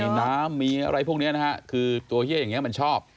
มีน้ำมีอะไรพวกนี้นะฮะคือตัวเย่อย่างนี้มันชอบ